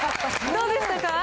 どうでしたか？